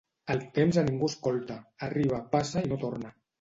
El temps a ningú escolta: arriba, passa i no torna.